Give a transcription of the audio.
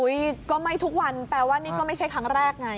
ก็ไม่ทุกวันแปลว่านี่ก็ไม่ใช่ครั้งแรกไง